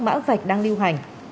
mã vạch đang lưu hành